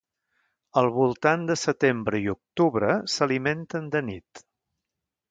Al voltant de setembre i octubre s’alimenten de nit.